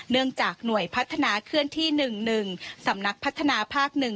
เนื่องจากหน่วยพัฒนาเคลื่อนที่หนึ่งหนึ่งสำนักพัฒนาภาคหนึ่ง